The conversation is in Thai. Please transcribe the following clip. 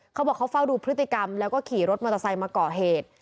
เขาบอกเขาเฝ้าดูพฤติกรรมแล้วก็ขี่รถมอเตอร์ไซค์มาก่อเหตุ